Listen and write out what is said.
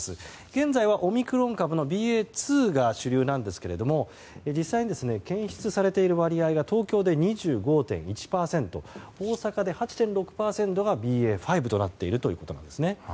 現在はオミクロン株のＢＡ．２が主流なんですが実際に検出されている割合が東京で２５．１％大阪で８．６％がＢＡ．５となっています。